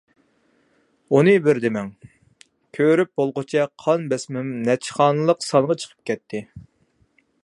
ئۇنى بىر دېمەڭ. كۆرۈپ بولغۇچە قان بېسىمىم نەچچە خانىلىق سانغا چىقىپ كەتتى.